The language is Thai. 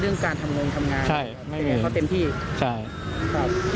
เรื่องการทำงานใช่ไม่มีเขาเต็มที่ใช่